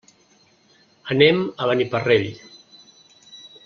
Anem a Beniparrell.